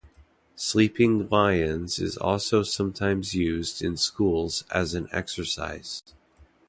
Sleeping lions is also sometimes used in schools as an exercise.